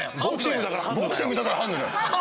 ボクシングだからハンドだよ。